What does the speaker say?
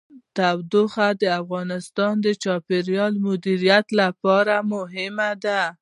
تودوخه د افغانستان د چاپیریال د مدیریت لپاره مهم دي.